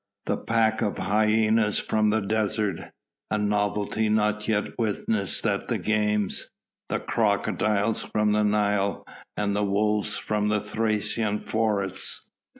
The pack of hyenas from the desert, a novelty not yet witnessed at the games, the crocodiles from the Nile and the wolves from the Thracian forests.